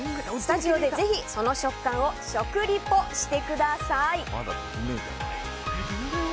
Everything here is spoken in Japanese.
スタジオで、ぜひその食感を食リポしてください。